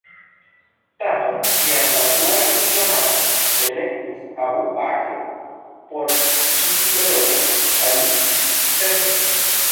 Tamen kiam la fruaj islamanoj elektis Abu Bakr por ĉi tio rolo, Ali permesis.